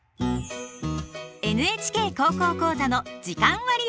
「ＮＨＫ高校講座」の時間割をご紹介！